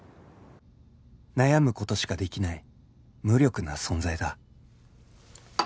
悩む事しかできない無力な存在だ